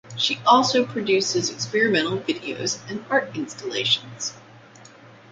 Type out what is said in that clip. She also produces experimental videos and art installations.